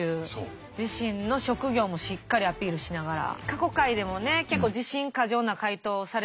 自身の職業もしっかりアピールしながら。